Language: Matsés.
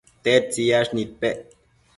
tedtsiyash nidpec